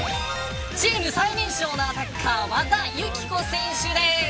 チーム最年少のアタッカー和田由紀子選手です。